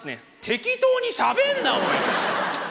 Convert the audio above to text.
適当にしゃべんなおい！